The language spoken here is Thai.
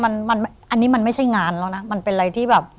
อันนี้มันไม่ใช่งานแล้วนะมันเป็นอะไรที่แบบ